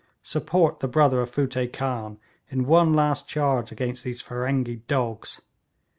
Support the brother of Futteh Khan in one last charge against these Feringhee dogs.